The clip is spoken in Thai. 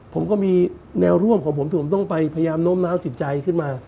ผมก็มีแนวร่วมของผมที่ผมต้องไปพยายามโน้มน้าวจิตใจขึ้นมา